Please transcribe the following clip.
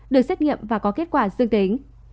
được xét nghiệm và có kết quả dương tính